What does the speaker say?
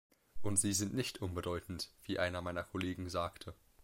Und sie sind nicht unbedeutend, wie einer meiner Kollegen sagte.